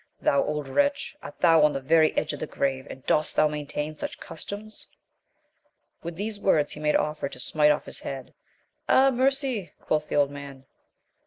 Thou old wretch I art thou on the very edge of the grave, and dost thou maintain such customs ? With these words he made offer to smite off his head. Ah, mercy ! quoth the old man.